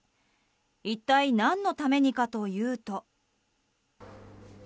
一体何のためにかというと。